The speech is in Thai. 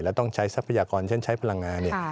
แล้วต้องใช้ทรัพยากรเช่นใช้พลังงาน